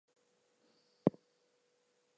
Each householder gives a present of cowries or cloth.